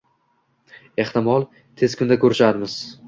Ehtimol, tez kunda ko’risharmiz.